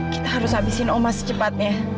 kita harus habisin omas secepatnya